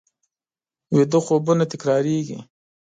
ویده خوبونه تکرارېږي